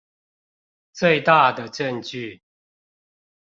最大的證據